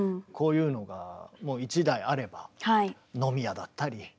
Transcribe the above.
こういうのが１台あれば飲み屋だったり。